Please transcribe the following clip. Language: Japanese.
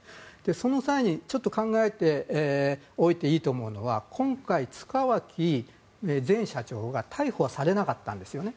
その際に、ちょっと考えておいていいと思うのが今回、塚脇前社長が逮捕されなかったんですよね。